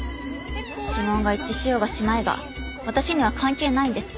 指紋が一致しようがしまいが私には関係ないんです。